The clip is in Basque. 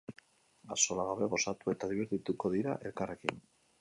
Axolagabe gozatu eta dibertituko dira elkarrekin.